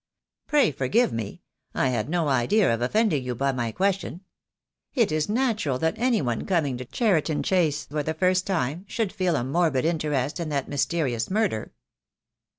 "Pray forgive me. I had no idea of offending you by my question. It is natural that any one coming to Cheriton Chase for the first time should feel a morbid interest in that mysterious murder."